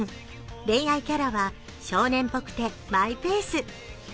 恋愛キャラは、少年っぽくてマイペース。